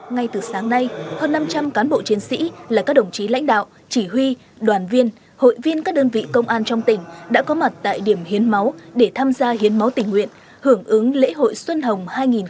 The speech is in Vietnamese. ngay từ sáng nay hơn năm trăm linh cán bộ chiến sĩ là các đồng chí lãnh đạo chỉ huy đoàn viên hội viên các đơn vị công an trong tỉnh đã có mặt tại điểm hiến máu để tham gia hiến máu tình nguyện hưởng ứng lễ hội xuân hồng hai nghìn một mươi chín